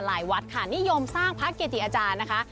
วัดค่ะนิยมสร้างพระเกจิอาจารย์นะคะ